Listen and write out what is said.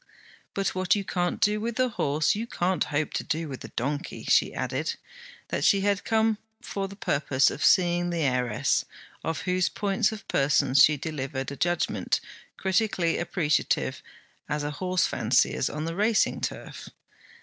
'But what you can't do with a horse, you can't hope to do with a donkey.' She added that she had come for the purpose of seeing the heiress, of whose points of person she delivered a judgement critically appreciative as a horsefancier's on the racing turf.